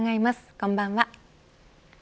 こんばんは。